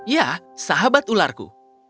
ya sahabat ularku